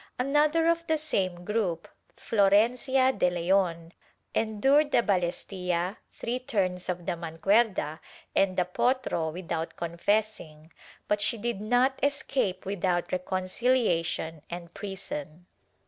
Another of the same group, Florencia de Leon, endured the balestilla, three turns of the mancuerda and the potro without confessing, but she did not escape without reconciliation and prison.'